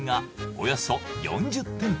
およそ４０店舗